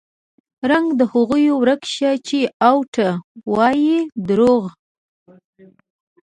رنګ د هغو ورک شه چې اوټه وايي دروغ